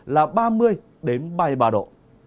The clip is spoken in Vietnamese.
là ba mươi đến ba mươi ba độ